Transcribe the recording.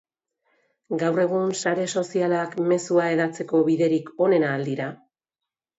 Gaur egun, sare sozialak mezua hedatzeko biderik onena al dira?